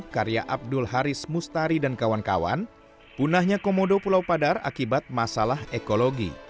karya abdul haris mustari dan kawan kawan punahnya komodo pulau padar akibat masalah ekologi